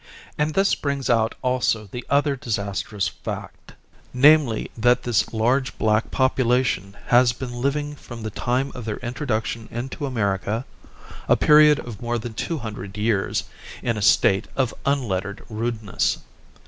And this brings out also the other disastrous fact, namely, that this large black population has been living from the time of their introduction into America, a period of more than two hundred years, in a state of unlettered rudeness.